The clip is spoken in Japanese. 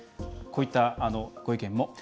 こういったご意見も。